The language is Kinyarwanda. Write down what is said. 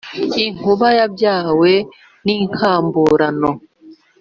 inkuba yabyawe n’inkaburano